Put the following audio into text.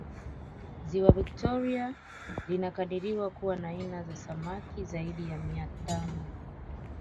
ziwa victoria linakadiriwa kuwa na aina za samaki zaidi ya mia tano